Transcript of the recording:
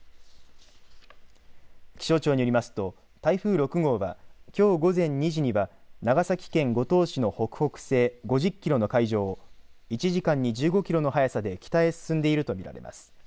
気象庁によりますと、台風６号はきょう午前２時には長崎県五島市の北北西５０キロの海上を１時間に１５キロの速さで北へ進んでいると見られます。